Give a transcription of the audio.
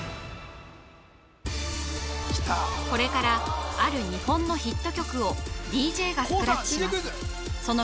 これからある日本のヒット曲をＤＪがスクラッチします